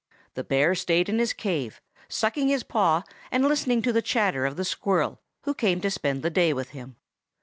The bear stayed in his cave, sucking his paw, and listening to the chatter of the squirrel, who came to spend the day with him.